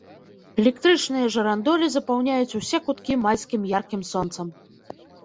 Электрычныя жырандолі запаўняюць усе куткі майскім яркім сонцам.